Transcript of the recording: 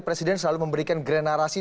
presiden selalu memberikan generasi